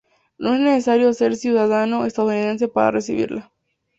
No es necesario ser ciudadano estadounidense para recibirla.